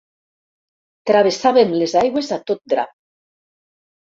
Travessàvem les aigües a tot drap.